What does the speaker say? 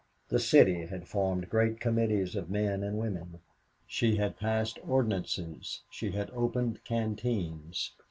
The City had formed great committees of men and women. She had passed ordinances, she had opened canteens.